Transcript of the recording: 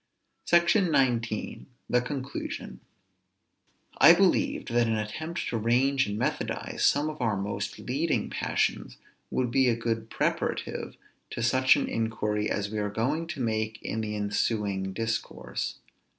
SECTION XIX. THE CONCLUSION. I believed that an attempt to range and methodize some of our most leading passions would be a good preparative to such an inquiry as we are going to make in the ensuing discourse.